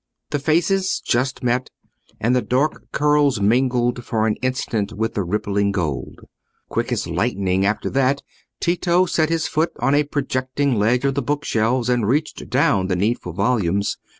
The faces just met, and the dark curls mingled for an instant with the rippling gold. Quick as lightning after that, Tito set his foot on a projecting ledge of the book shelves and reached down the needful volumes.